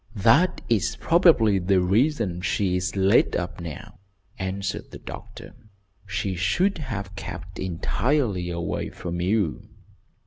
"That is probably the reason she is laid up now," answered the doctor. "She should have kept entirely away from you."